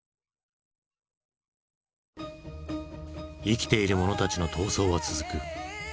生きている者たちの闘争は続く。